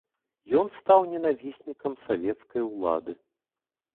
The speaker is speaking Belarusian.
Ён стаў ненавіснікам савецкай улады.